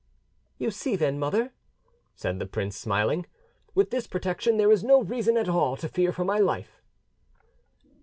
"You see then, mother," said the prince, smiling, "with this protection there is no reason at all to fear for my life."